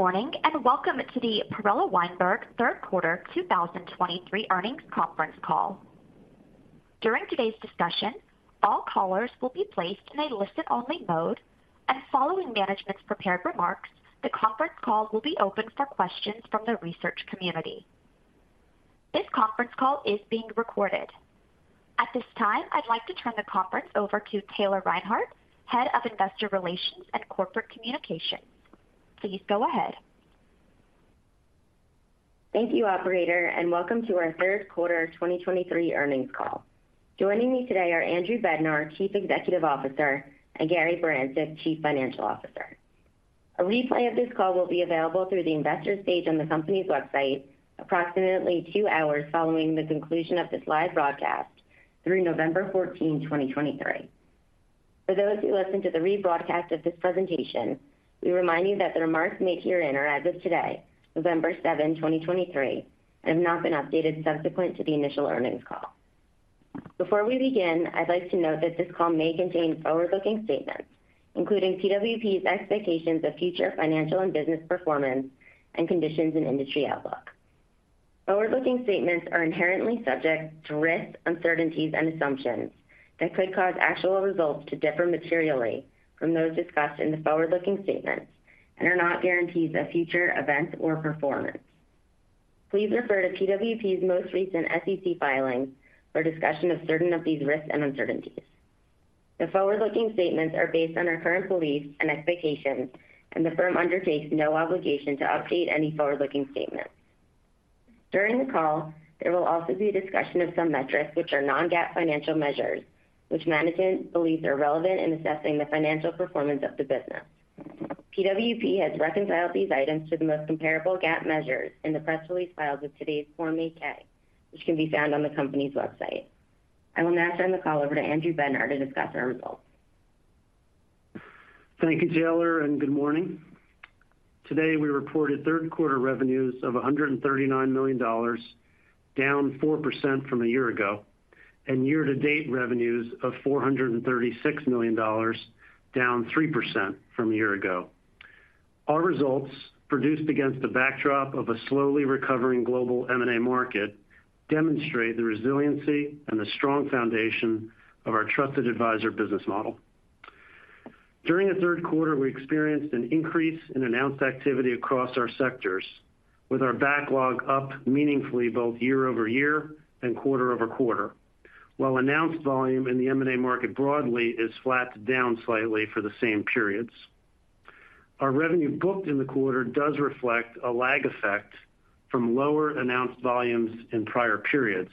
Good morning, and welcome to the Perella Weinberg third quarter 2023 earnings conference call. During today's discussion, all callers will be placed in a listen-only mode, and following management's prepared remarks, the conference call will be open for questions from the research community. This conference call is being recorded. At this time, I'd like to turn the conference over to Taylor Reinhardt, Head of Investor Relations and Corporate Communications. Please go ahead. Thank you, operator, and welcome to our third quarter 2023 earnings call. Joining me today are Andrew Bednar, Chief Executive Officer, and Gary Barancik, Chief Financial Officer. A replay of this call will be available through the investor page on the company's website, approximately two hours following the conclusion of this live broadcast through November 14, 2023. For those who listen to the rebroadcast of this presentation, we remind you that the remarks made herein are as of today, November 7, 2023, and have not been updated subsequent to the initial earnings call. Before we begin, I'd like to note that this call may contain forward-looking statements, including PWP's expectations of future financial and business performance and conditions and industry outlook. Forward-looking statements are inherently subject to risks, uncertainties, and assumptions that could cause actual results to differ materially from those discussed in the forward-looking statements and are not guarantees of future events or performance. Please refer to PWP's most recent SEC filings for a discussion of certain of these risks and uncertainties. The forward-looking statements are based on our current beliefs and expectations, and the firm undertakes no obligation to update any forward-looking statements. During the call, there will also be a discussion of some metrics which are non-GAAP financial measures, which management believes are relevant in assessing the financial performance of the business. PWP has reconciled these items to the most comparable GAAP measures in the press release filed with today's Form 8-K, which can be found on the company's website. I will now turn the call over to Andrew Bednar to discuss our results. Thank you, Taylor, and good morning. Today, we reported third quarter revenues of $139 million, down 4% from a year ago, and year-to-date revenues of $436 million, down 3% from a year ago. Our results, produced against the backdrop of a slowly recovering global M&A market, demonstrate the resiliency and the strong foundation of our trusted advisor business model. During the third quarter, we experienced an increase in announced activity across our sectors, with our backlog up meaningfully both YoY and QoQ. While announced volume in the M&A market broadly is flat to down slightly for the same periods. Our revenue booked in the quarter does reflect a lag effect from lower announced volumes in prior periods,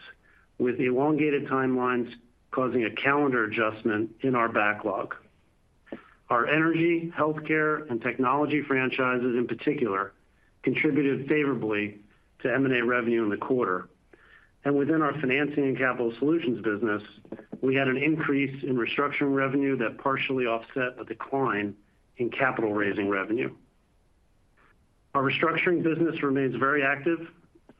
with elongated timelines causing a calendar adjustment in our backlog. Our energy, healthcare, and technology franchises, in particular, contributed favorably to M&A revenue in the quarter. Within our financing and capital solutions business, we had an increase in restructuring revenue that partially offset a decline in capital raising revenue. Our restructuring business remains very active.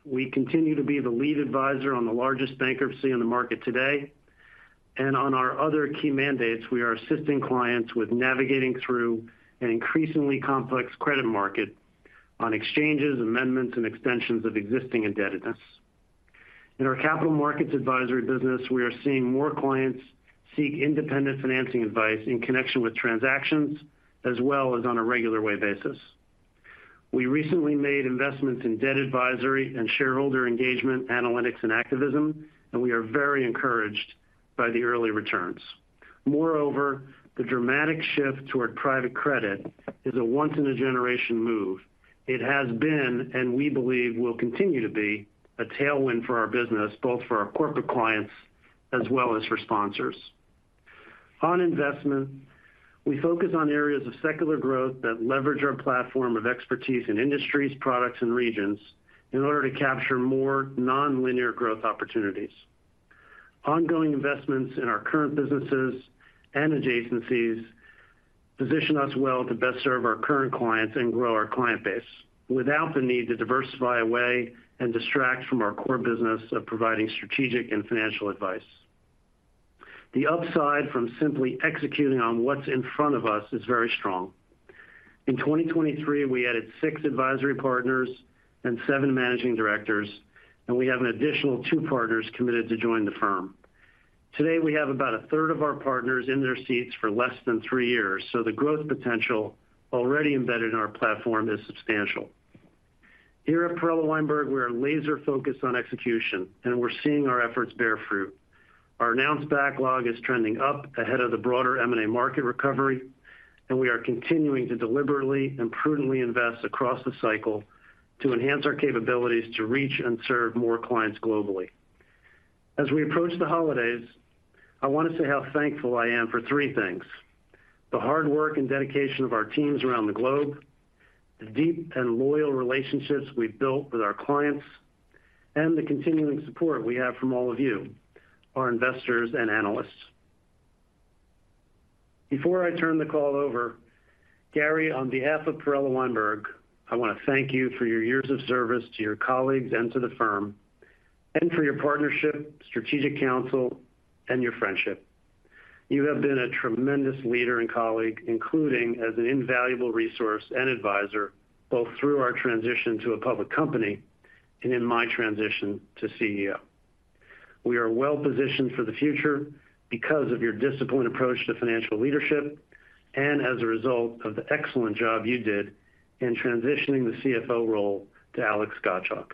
We continue to be the lead advisor on the largest bankruptcy on the market today, and on our other key mandates, we are assisting clients with navigating through an increasingly complex credit market on exchanges, amendments, and extensions of existing indebtedness. In our capital markets advisory business, we are seeing more clients seek independent financing advice in connection with transactions as well as on a regular way basis. We recently made investments in debt advisory and shareholder engagement, analytics, and activism, and we are very encouraged by the early returns. Moreover, the dramatic shift toward private credit is a once-in-a-generation move. It has been, and we believe will continue to be, a tailwind for our business, both for our corporate clients as well as for sponsors. On investment, we focus on areas of secular growth that leverage our platform of expertise in industries, products, and regions in order to capture more nonlinear growth opportunities. Ongoing investments in our current businesses and adjacencies position us well to best serve our current clients and grow our client base without the need to diversify away and distract from our core business of providing strategic and financial advice. The upside from simply executing on what's in front of us is very strong. In 2023, we added six advisory partners and seven managing directors, and we have an additional two partners committed to join the firm. Today, we have about a third of our partners in their seats for less than three years, so the growth potential already embedded in our platform is substantial. Here at Perella Weinberg, we are laser-focused on execution, and we're seeing our efforts bear fruit. Our announced backlog is trending up ahead of the broader M&A market recovery, and we are continuing to deliberately and prudently invest across the cycle to enhance our capabilities to reach and serve more clients globally. As we approach the holidays, I want to say how thankful I am for three things: the hard work and dedication of our teams around the globe, the deep and loyal relationships we've built with our clients, and the continuing support we have from all of you, our investors and analysts. Before I turn the call over, Gary, on behalf of Perella Weinberg, I want to thank you for your years of service to your colleagues and to the firm, and for your partnership, strategic counsel, and your friendship.... You have been a tremendous leader and colleague, including as an invaluable resource and advisor, both through our transition to a public company and in my transition to CEO. We are well positioned for the future because of your disciplined approach to financial leadership and as a result of the excellent job you did in transitioning the CFO role to Alex Gottschalk.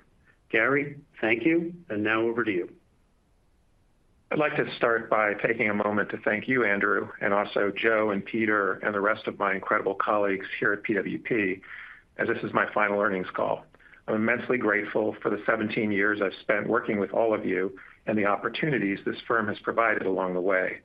Gary, thank you. And now over to you. I'd like to start by taking a moment to thank you, Andrew, and also Joe and Peter and the rest of my incredible colleagues here at PWP, as this is my final earnings call. I'm immensely grateful for the 17 years I've spent working with all of you and the opportunities this firm has provided along the way.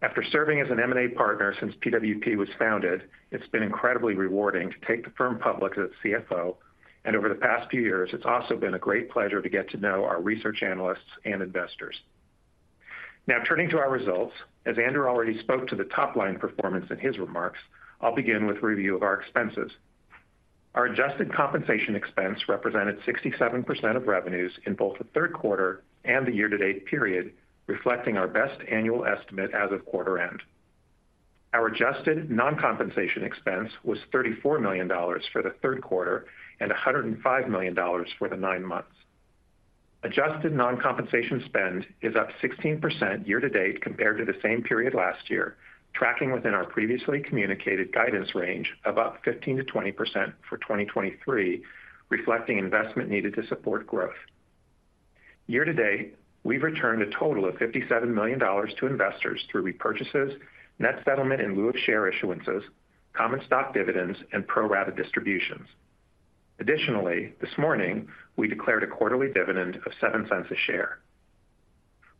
After serving as an M&A partner since PWP was founded, it's been incredibly rewarding to take the firm public as CFO, and over the past few years, it's also been a great pleasure to get to know our research analysts and investors. Now, turning to our results, as Andrew already spoke to the top line performance in his remarks, I'll begin with a review of our expenses. Our adjusted compensation expense represented 67% of revenues in both the third quarter and the year-to-date period, reflecting our best annual estimate as of quarter end. Our adjusted non-compensation expense was $34 million for the third quarter and $105 million for the nine months. Adjusted non-compensation spend is up 16% year to date compared to the same period last year, tracking within our previously communicated guidance range of up 15%-20% for 2023, reflecting investment needed to support growth. Year to date, we've returned a total of $57 million to investors through repurchases, net settlement in lieu of share issuances, common stock dividends, and pro rata distributions. Additionally, this morning, we declared a quarterly dividend of $0.07 a share.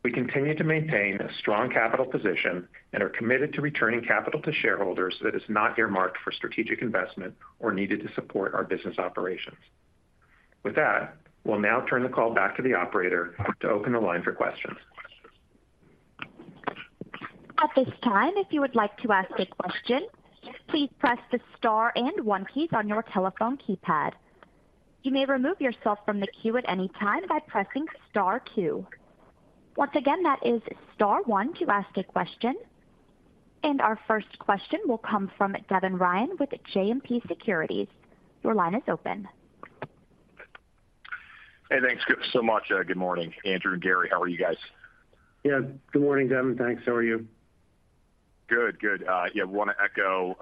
We continue to maintain a strong capital position and are committed to returning capital to shareholders that is not earmarked for strategic investment or needed to support our business operations. With that, we'll now turn the call back to the operator to open the line for questions. At this time, if you would like to ask a question, please press the star and one key on your telephone keypad. You may remove yourself from the queue at any time by pressing star two. Once again, that is star one to ask a question. Our first question will come from Devin Ryan with JMP Securities. Your line is open. Hey, thanks so much. Good morning, Andrew and Gary, how are you guys? Yeah, good morning, Devin. Thanks. How are you? Good, good. Yeah, want to echo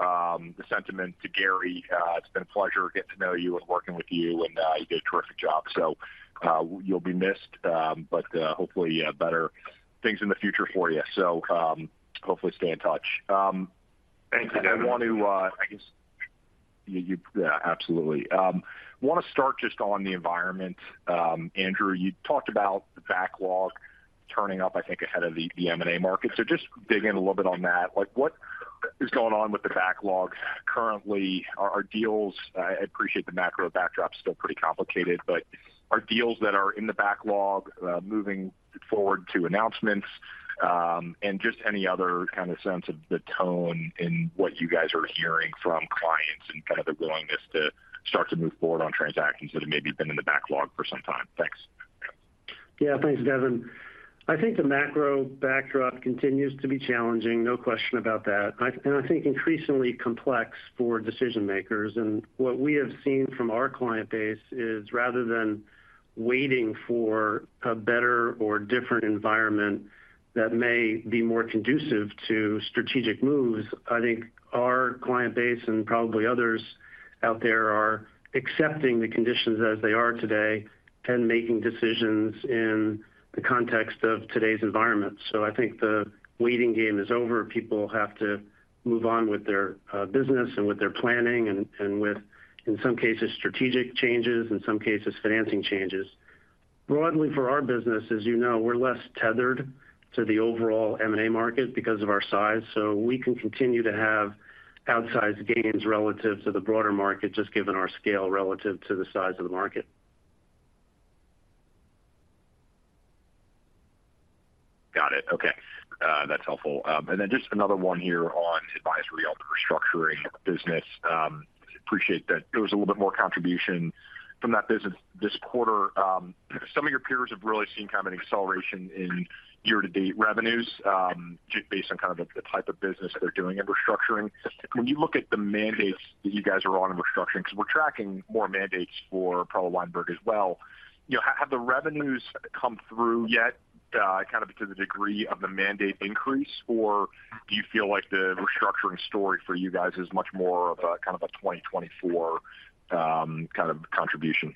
the sentiment to Gary. It's been a pleasure getting to know you and working with you, and you did a terrific job, so you'll be missed, but hopefully better things in the future for you. So, hopefully stay in touch. Thanks, Devin. I want to. Yeah, absolutely. Want to start just on the environment. Andrew, you talked about the backlog turning up, I think, ahead of the M&A market. So just dig in a little bit on that. Like, what is going on with the backlog currently? Are deals... I appreciate the macro backdrop is still pretty complicated, but are deals that are in the backlog moving forward to announcements, and just any other kind of sense of the tone in what you guys are hearing from clients and kind of the willingness to start to move forward on transactions that have maybe been in the backlog for some time? Thanks. Yeah, thanks, Devin. I think the macro backdrop continues to be challenging, no question about that, and I think increasingly complex for decision makers. And what we have seen from our client base is rather than waiting for a better or different environment that may be more conducive to strategic moves, I think our client base, and probably others out there, are accepting the conditions as they are today and making decisions in the context of today's environment. So I think the waiting game is over. People have to move on with their business and with their planning and with, in some cases, strategic changes, in some cases, financing changes. Broadly, for our business, as you know, we're less tethered to the overall M&A market because of our size, so we can continue to have outsized gains relative to the broader market, just given our scale relative to the size of the market. Got it. Okay, that's helpful. And then just another one here on advisory on the restructuring business. Appreciate that there was a little bit more contribution from that business this quarter. Some of your peers have really seen kind of an acceleration in year-to-date revenues, just based on kind of the, the type of business they're doing in restructuring. When you look at the mandates that you guys are on in restructuring, because we're tracking more mandates for Perella Weinberg as well, you know, have the revenues come through yet, kind of to the degree of the mandate increase? Or do you feel like the restructuring story for you guys is much more of a, kind of a 2024, kind of contribution?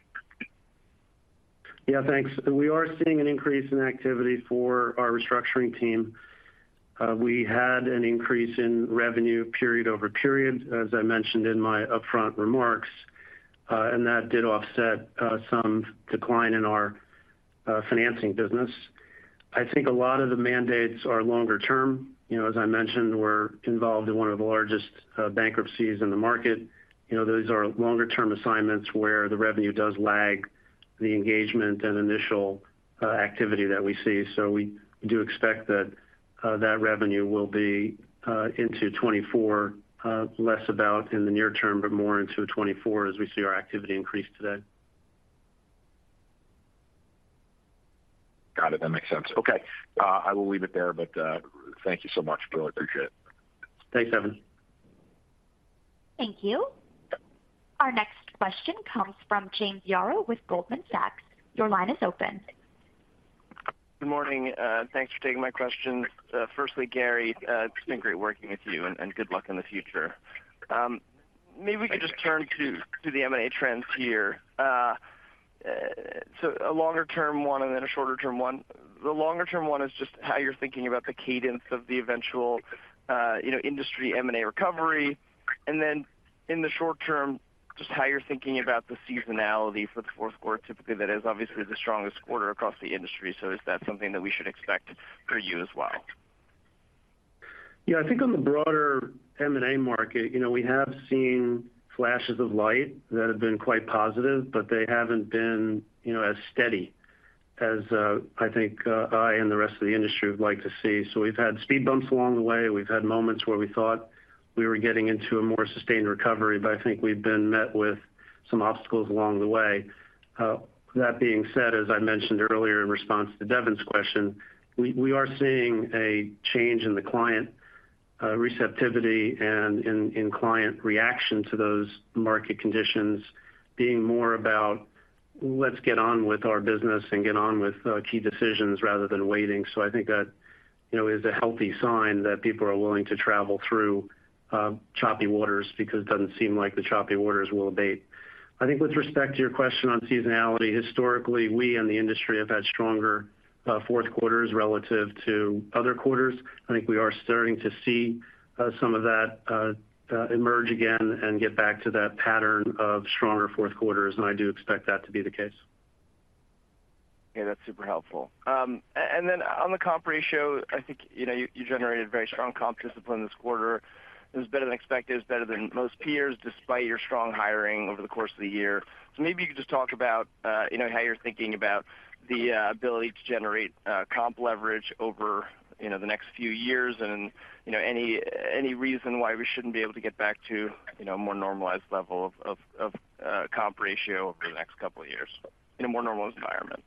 Yeah, thanks. We are seeing an increase in activity for our restructuring team. We had an increase in revenue period over period, as I mentioned in my upfront remarks, and that did offset some decline in our financing business. I think a lot of the mandates are longer term. You know, as I mentioned, we're involved in one of the largest bankruptcies in the market. You know, those are longer term assignments where the revenue does lag the engagement and initial activity that we see. So we do expect that that revenue will be into 2024, less about in the near term, but more into 2024 as we see our activity increase today. ... Got it. That makes sense. Okay, I will leave it there, but, thank you so much. Really appreciate it. Thanks, Devin. Thank you. Our next question comes from James Yaro with Goldman Sachs. Your line is open. Good morning, thanks for taking my questions. Firstly, Gary, it's been great working with you and, and good luck in the future. Maybe we could just turn to- Thank you. to the M&A trends here. So a longer-term one and then a shorter-term one. The longer-term one is just how you're thinking about the cadence of the eventual, you know, industry M&A recovery. And then in the short term, just how you're thinking about the seasonality for the fourth quarter, typically, that is obviously the strongest quarter across the industry. So is that something that we should expect for you as well? Yeah, I think on the broader M&A market, you know, we have seen flashes of light that have been quite positive, but they haven't been, you know, as steady as, I think, I and the rest of the industry would like to see. So we've had speed bumps along the way. We've had moments where we thought we were getting into a more sustained recovery, but I think we've been met with some obstacles along the way. That being said, as I mentioned earlier in response to Devin's question, we are seeing a change in the client receptivity and in client reaction to those market conditions being more about, "Let's get on with our business and get on with key decisions rather than waiting." So I think that, you know, is a healthy sign that people are willing to travel through choppy waters because it doesn't seem like the choppy waters will abate. I think with respect to your question on seasonality, historically, we in the industry have had stronger fourth quarters relative to other quarters. I think we are starting to see some of that emerge again and get back to that pattern of stronger fourth quarters, and I do expect that to be the case. Yeah, that's super helpful. And then on the comp ratio, I think, you know, you generated very strong comp discipline this quarter. It was better than expected, better than most peers, despite your strong hiring over the course of the year. So maybe you could just talk about, you know, how you're thinking about the ability to generate comp leverage over, you know, the next few years. And, you know, any reason why we shouldn't be able to get back to, you know, a more normalized level of comp ratio over the next couple of years in a more normal environment?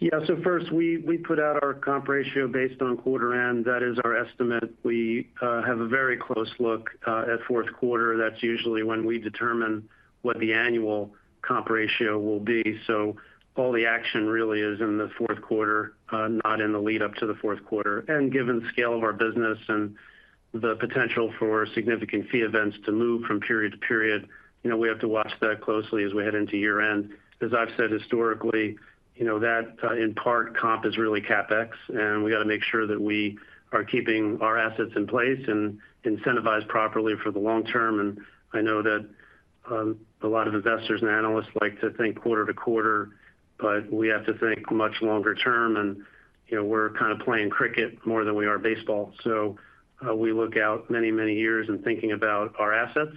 Yeah. So first, we put out our comp ratio based on quarter end. That is our estimate. We have a very close look at fourth quarter. That's usually when we determine what the annual comp ratio will be. So all the action really is in the fourth quarter, not in the lead-up to the fourth quarter. And given the scale of our business and the potential for significant fee events to move from period to period, you know, we have to watch that closely as we head into year-end. As I've said historically, you know that, in part, comp is really CapEx, and we got to make sure that we are keeping our assets in place and incentivized properly for the long term. I know that a lot of investors and analysts like to think quarter to quarter, but we have to think much longer term. And, you know, we're kind of playing cricket more than we are baseball. So, we look out many, many years in thinking about our assets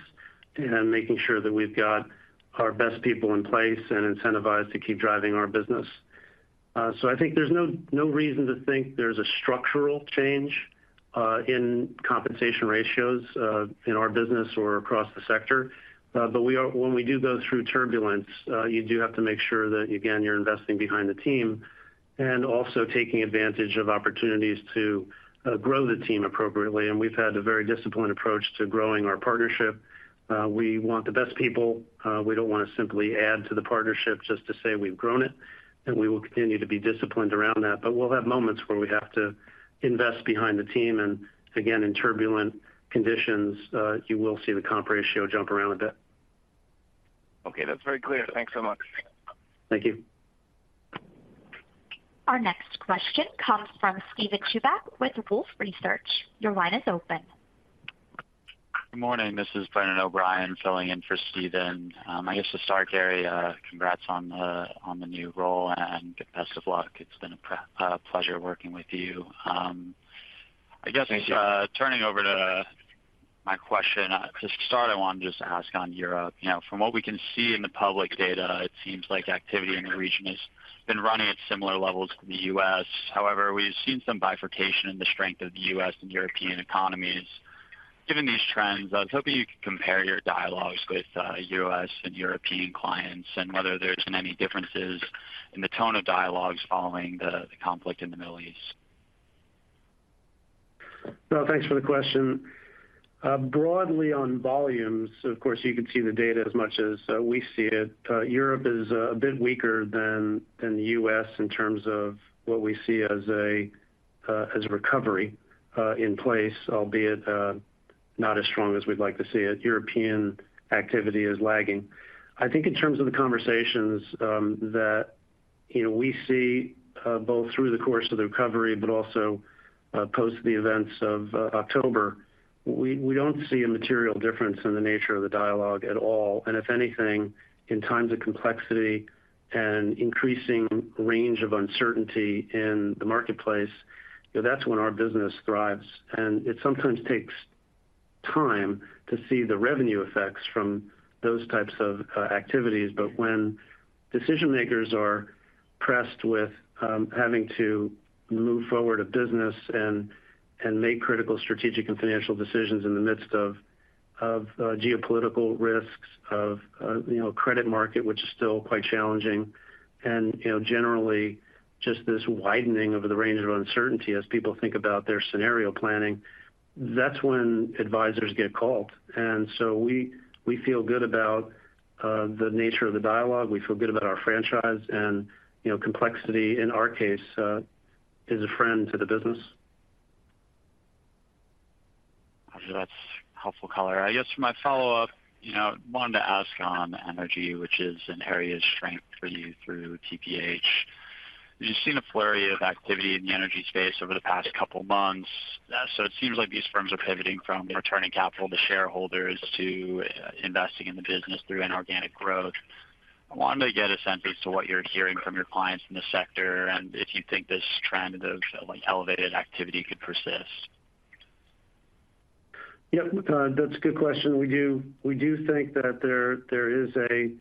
and making sure that we've got our best people in place and incentivized to keep driving our business. So I think there's no, no reason to think there's a structural change in compensation ratios in our business or across the sector. But we are, when we do go through turbulence, you do have to make sure that, again, you're investing behind the team and also taking advantage of opportunities to grow the team appropriately. And we've had a very disciplined approach to growing our partnership. We want the best people. We don't want to simply add to the partnership just to say we've grown it, and we will continue to be disciplined around that. But we'll have moments where we have to invest behind the team, and again, in turbulent conditions, you will see the comp ratio jump around a bit. Okay, that's very clear. Thanks so much. Thank you. Our next question comes from Steven Chubak with Wolfe Research. Your line is open. Good morning. This is Brendan O’Brien filling in for Steven. I guess to start, Gary, congrats on the new role and best of luck. It's been a pleasure working with you. Thank you. I guess, turning over to my question. To start, I wanted to just ask on Europe. You know, from what we can see in the public data, it seems like activity in the region has been running at similar levels to the U.S. However, we've seen some bifurcation in the strength of the U.S. and European economies. Given these trends, I was hoping you could compare your dialogues with U.S. and European clients and whether there's been any differences in the tone of dialogues following the conflict in the Middle East. Well, thanks for the question. Broadly on volumes, of course, you can see the data as much as we see it. Europe is a bit weaker than the U.S. in terms of what we see as a recovery in place, albeit not as strong as we'd like to see it. European activity is lagging. I think in terms of the conversations that you know we see both through the course of the recovery, but also post the events of October, we don't see a material difference in the nature of the dialogue at all. And if anything, in times of complexity and increasing range of uncertainty in the marketplace, that's when our business thrives. And it sometimes takes time to see the revenue effects from those types of activities. But when decision-makers are pressed with having to move forward a business and make critical strategic and financial decisions in the midst of geopolitical risks, you know, credit market, which is still quite challenging. And, you know, generally, just this widening of the range of uncertainty as people think about their scenario planning, that's when advisors get called. And so we feel good about the nature of the dialogue. We feel good about our franchise and, you know, complexity, in our case, is a friend to the business. That's helpful color. I guess my follow-up, you know, wanted to ask on energy, which is an area of strength for you through TPH. We've seen a flurry of activity in the energy space over the past couple months. So it seems like these firms are pivoting from returning capital to shareholders to investing in the business through an organic growth. I wanted to get a sense as to what you're hearing from your clients in the sector, and if you think this trend of, like, elevated activity could persist. Yep, that's a good question. We do, we do think that there, there is a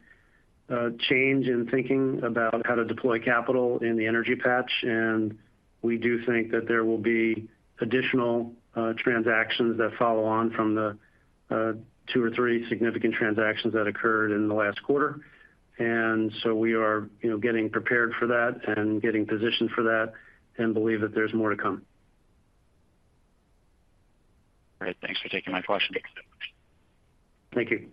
change in thinking about how to deploy capital in the energy patch, and we do think that there will be additional transactions that follow on from the two or three significant transactions that occurred in the last quarter. And so we are, you know, getting prepared for that and getting positioned for that, and believe that there's more to come. All right. Thanks for taking my question. Thank you.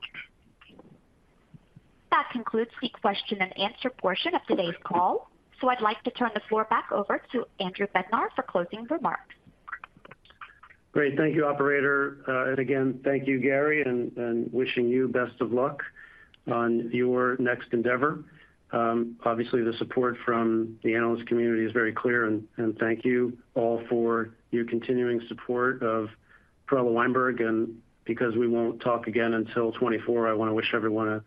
That concludes the question and answer portion of today's call. So I'd like to turn the floor back over to Andrew Bednar for closing remarks. Great. Thank you, operator. And again, thank you, Gary, and wishing you best of luck on your next endeavor. Obviously, the support from the analyst community is very clear, and thank you all for your continuing support of Perella Weinberg. Because we won't talk again until 2024, I want to wish everyone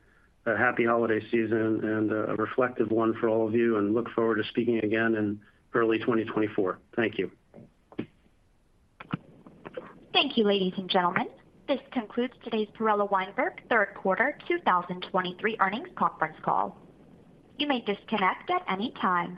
a happy holiday season and a reflective one for all of you. And look forward to speaking again in early 2024. Thank you. Thank you, ladies and gentlemen. This concludes today's Perella Weinberg third quarter 2023 earnings conference call. You may disconnect at any time.